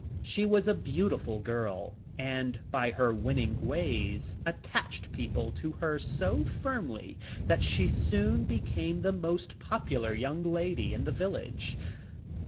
She was a beautiful girl, and by her win ning ways attached people to her so firmly that she soon became the most popular young lady in the village.